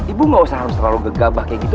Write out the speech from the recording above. ibu gak usah harus terlalu gegabah kayak gitu